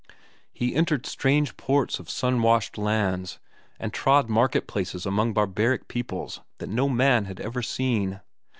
He entered strange ports of sun washed lands, and trod market places among barbaric peoples that no man had ever seen.